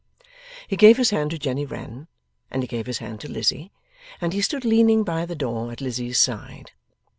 He gave his hand to Jenny Wren, and he gave his hand to Lizzie, and he stood leaning by the door at Lizzie's side.